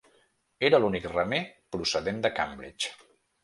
Era l'únic remer procedent de Cambridge.